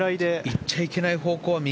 行っちゃいけない方向は右？